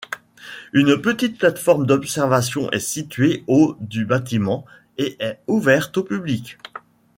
Une petite plateforme d'observation est située au du bâtiment et est ouverte au public.